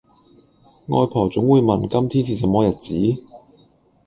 外婆總會問今天是什麼日子？